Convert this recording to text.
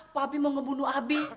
pak abi mau ngebunuh abi